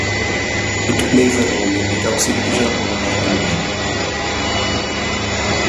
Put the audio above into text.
It plays a role in detoxification of ammonia in brain.